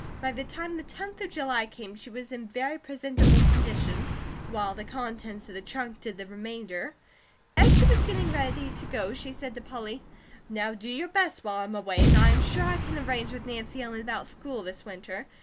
By the time the tenth of July came, she was in very presentable condition, while the contents of the trunk did the remainder. As she was getting ready to go, she said to Polly: "Now do your best while I'm away, and I am sure I can arrange with Nancy Ellen about school this winter.